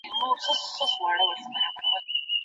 په دې لویه وداني کي توتکۍ وه